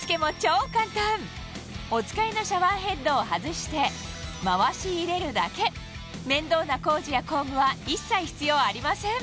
お使いのシャワーヘッドを外して回し入れるだけ面倒な工事や工具は一切必要ありません